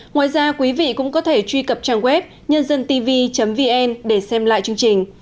ngoài ra quý vị cũng có thể truy cập trang web nhândântv vn để xem lại chương trình